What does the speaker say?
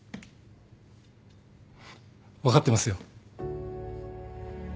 分かってますよ。